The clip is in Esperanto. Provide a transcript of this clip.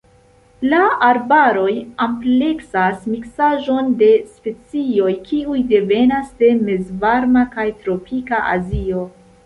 La arbaroj ampleksas miksaĵon de specioj kiuj devenas de mezvarma kaj tropika Azio.